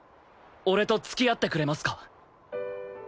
俺と付き合ってくれますか？